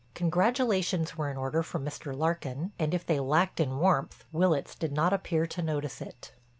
Congratulations were in order from Mr. Larkin, and if they lacked in warmth Willitts did not appear to notice it.